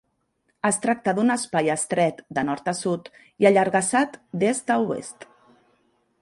Es tracta d'un espai estret de nord a sud i allargassat d'est a oest.